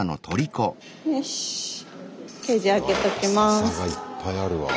ササがいっぱいあるわ。